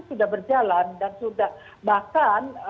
sudah berjalan dan sudah bahkan